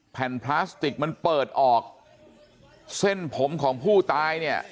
พลาสติกมันเปิดออกเส้นผมของผู้ตายเนี่ย